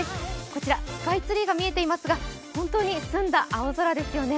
こちら、スカイツリーが見えていますが本当に澄んだ青空ですよね。